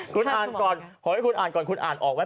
ขอให้คุณอ่านก่อนคุณอ่านออกไว้